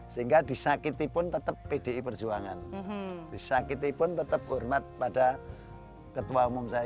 sehingga disakiti pun tetap pdi perjuangan disakiti pun tetap hormat pada ketua umum saya